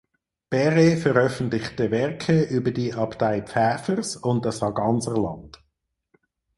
Perret veröffentlichte Werke über die Abtei Pfäfers und das Sarganserland.